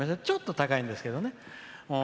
ちょっと高いんですけどね。